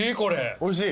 おいしい？